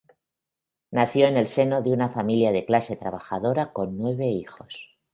Nació en el seno de una familia de clase trabajadora con nueve hijos.